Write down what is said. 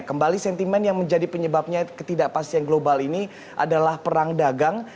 kembali sentimen yang menjadi penyebabnya ketidakpastian global ini adalah perang dagang